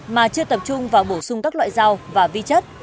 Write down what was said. mà chưa tập trung vào bổ sung các loại dao và vi chất